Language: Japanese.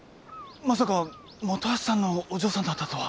まさか本橋さんのお嬢さんだったとは。